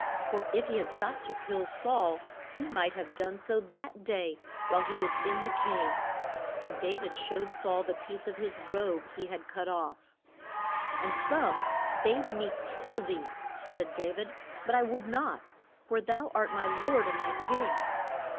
For if he had sought to kill Saul he might have done so that day while he was in the cave. And Da vid showed Saul the piece of his robe he had cut off. And some bade me kill thee, said Da vid, but I would not, for thou art my lord and my king.